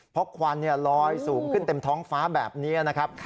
เพราะควันลอยสูงขึ้นเต็มท้องฟ้าแบบนี้นะครับ